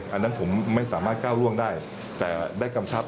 อันนั้นผมไม่สามารถก้าวร่วงได้แต่ได้กำชับ